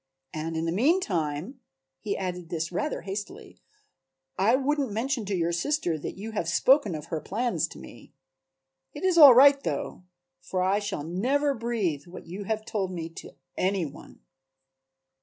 And in the meantime," he added this rather hastily, "I wouldn't mention to your sister that you have spoken of her plans to me. It is all right though, for I shall never breathe what you have told me to any one."